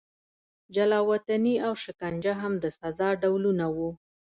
جلا وطني او شکنجه هم د سزا ډولونه وو.